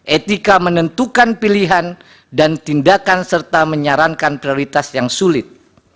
etika menentukan pilihan dan tindakan serta menyarankan prioritas yang sulit